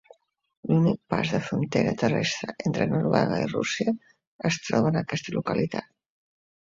L'únic pas de frontera terrestre entre Noruega i Rússia es troba en aquesta localitat.